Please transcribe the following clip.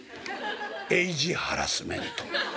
エイジハラスメント」。